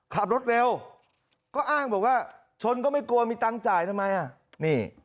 ขับรถเร็วก็อ้างบอกว่าชนก็ไม่กลัวมีตังค์จ่ายทำไมอ่ะนี่